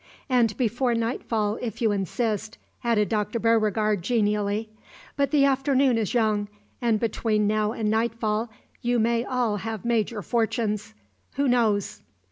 "And before nightfall, if you insist," added Dr. Beauregard, genially. "But the afternoon is young, and between now and nightfall you may all have made your fortunes. Who knows?"